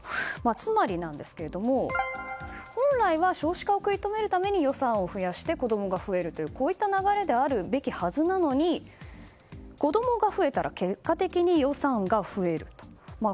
つまりなんですが本来は少子化を食い止めるために予算を増やして子供が増えるというこういった流れであるべきはずなのに子供が増えたら結果的に予算が増える。